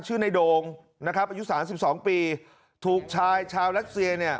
ชื่อในโดงนะครับอายุสามสิบสองปีถูกชายชาวรัสเซียเนี่ย